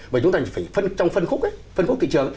bởi chúng ta phải trong phân khúc phân khúc thị trường